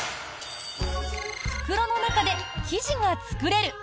袋の中で生地が作れる！